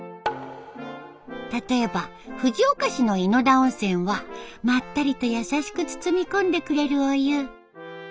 例えば藤岡市の猪ノ田温泉は「まったりとやさしく包み込んでくれるお湯」。